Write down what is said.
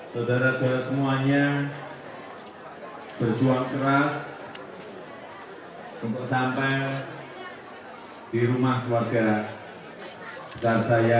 saudara saudara semuanya berjuang keras untuk sampai di rumah keluarga besar saya